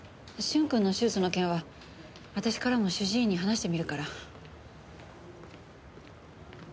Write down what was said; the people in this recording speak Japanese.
駿君の手術の件は私からも主治医に話してみるから。